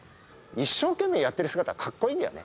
一生懸命やってる姿はかっこいいんだよね。